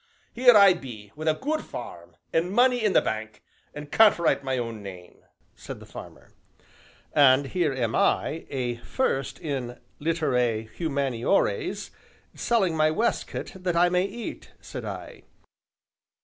Here I be wi' a good farm, an' money in the bank, an' can't write my own name," said the farmer. "And here am I, a 'first' in 'Litterae Humaniores,' selling my waistcoat that I may eat," said I.